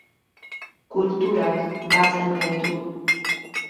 Kulturak batzen gaitu.